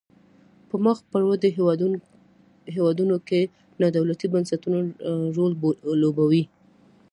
په مخ پر ودې هیوادونو کې نا دولتي بنسټونو رول لوبولای.